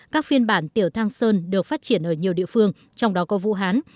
các phiên bản tiểu thang sơn được phát triển ở nhiều địa phương trong đó có vũ hán